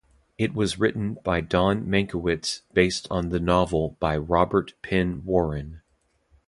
It was written by Don Mankiewicz based on the novel by Robert Penn Warren.